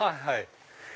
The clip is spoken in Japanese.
はい。